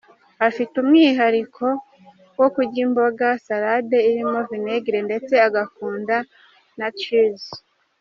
Afite umwihariko wo kurya imboga, salade irimo vinegre ndetse agakunda na cheese.